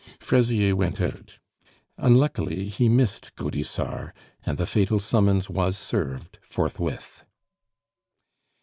Fraisier went out. Unluckily, he missed Gaudissart, and the fatal summons was served forthwith.